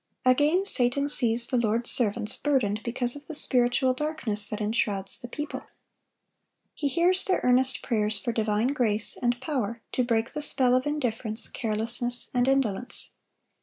Again, Satan sees the Lord's servants burdened because of the spiritual darkness that enshrouds the people. He hears their earnest prayers for divine grace and power to break the spell of indifference, carelessness, and indolence.